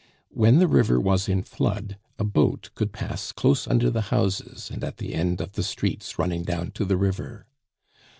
When the river was in flood a boat could pass close under the houses and at the end of the streets running down to the river.